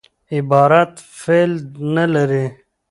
عبارت فعل نه لري.